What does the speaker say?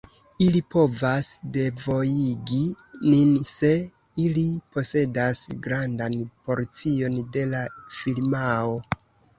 Ili povas devojigi nin se ili posedas grandan porcion de la firmao.